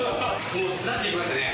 もう巣立っていきましたね。